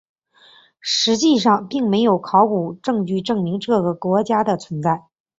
实际上并没有考古证据证明这个国家的存在。